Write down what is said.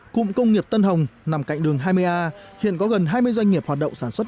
cụm công nghiệp tân hồng nằm cạnh đường hai mươi a hiện có gần hai mươi doanh nghiệp hoạt động sản xuất